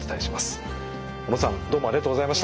小野さんどうもありがとうございました。